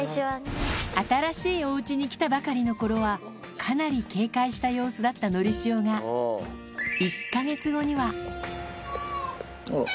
新しいおうちに来たばかりのころはかなり警戒した様子だったのりしおが、１か月後には。